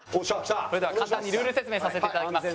それでは簡単にルール説明させていただきます。